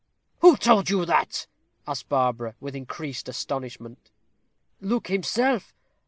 "Who told you that?" asked Barbara, with increased astonishment. "Luke himself.